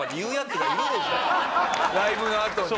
ライブのあとに。